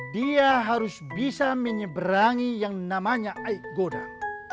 dia harus bisa menyeberangi yang namanya aik goda